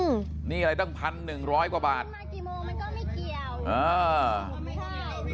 มันมากี่โมงมันก็ไม่เกี่ยวมันไม่เกี่ยว